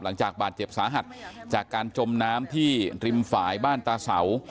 หลังจากบาดเจ็บสาหัสจากการจมน้ำที่ริมฝ่ายบ้านตาเสา